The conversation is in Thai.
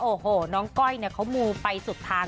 โอ้โหน้องก้อยเนี่ยเขามูไปสุดทาง